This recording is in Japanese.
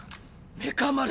メカ丸！